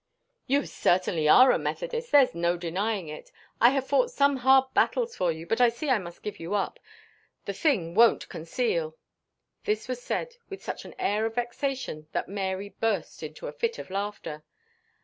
"You certainly are a Methodist there's no denying it. I have fought some hard battles for you, but I see I must give you up. The thing won't conceal." This was said with such an air of vexation that Mary burst into a fit of laughter.